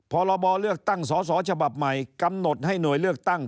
พรบเลือกตั้งสอสอฉบับใหม่กำหนดให้หน่วยเลือกตั้ง